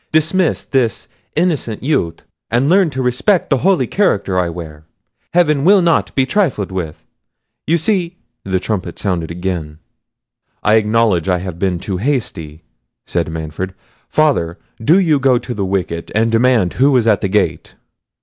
Dismiss this innocent youth; and learn to respect the holy character I wear. Heaven will not be trifled with: you see—" the trumpet sounded again. "I acknowledge I have been too hasty," said Manfred. "Father, do you go to the wicket, and demand who is at the gate."